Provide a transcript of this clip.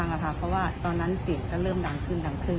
เพราะว่าตอนนั้นเสียงก็เริ่มดังขึ้นดังขึ้น